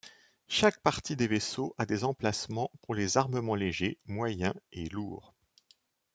Chaque partie des vaisseaux a des emplacements pour les armements légers, moyens et lourds.